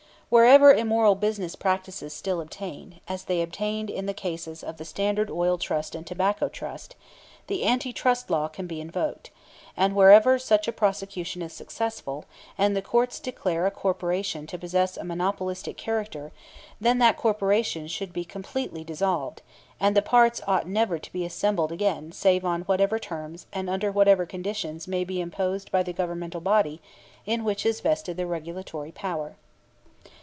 Wherever immoral business practices still obtain as they obtained in the cases of the Standard Oil Trust and Tobacco Trust the Anti Trust Law can be invoked; and wherever such a prosecution is successful, and the courts declare a corporation to possess a monopolistic character, then that corporation should be completely dissolved, and the parts ought never to be again assembled save on whatever terms and under whatever conditions may be imposed by the governmental body in which is vested the regulatory power.